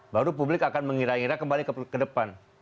baru publik akan mengira ngira kembali ke depan